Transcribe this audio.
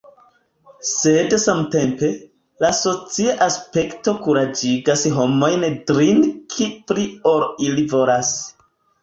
Sed samtempe, la socia aspekto kuraĝigas homojn drinki pli ol ili volas.